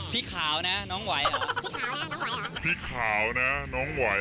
พี่ขาวนะน้องไหวเหรอ